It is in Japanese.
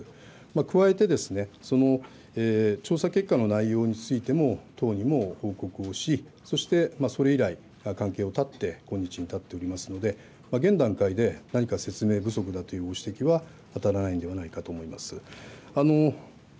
くわえて、その調査結果の内容についても党にも報告をし、そしてそれ以来、関係を断って今日に至っておりますので、現段階で何か説明不足だというご指摘には当たらないのではないかと思います。